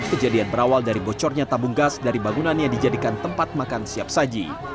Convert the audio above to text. kejadian berawal dari bocornya tabung gas dari bangunan yang dijadikan tempat makan siap saji